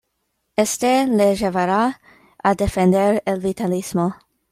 Este le llevará a defender el vitalismo.